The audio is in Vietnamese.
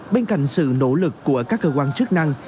bên cạnh sự nỗ lực của các cơ quan chức năng